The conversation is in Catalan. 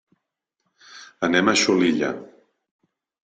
Anem a Xulilla.